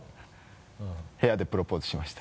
部屋でプロポーズしました。